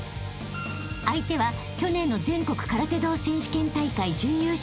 ［相手は去年の全国空手道選手権大会準優勝］